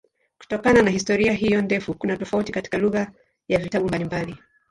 Kutokana na historia hiyo ndefu kuna tofauti katika lugha ya vitabu mbalimbali.